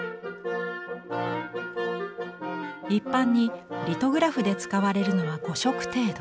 一般にリトグラフで使われるのは５色程度。